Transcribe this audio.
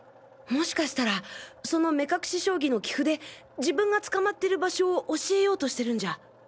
もしかしたらその目隠し将棋の棋譜で自分が捕まってる場所を教えようとしてるんじゃ。